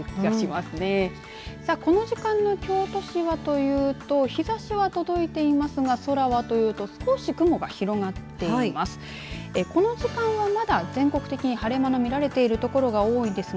この時間の京都市は日ざしが届いていますが空はというと少し雲が広がっています。